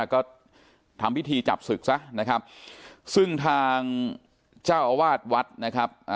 ก็ทำพิธีจับศึกซะนะครับซึ่งทางเจ้าอาวาสวัดนะครับ